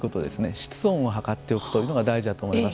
室温を測っておくというのが大事だと思います。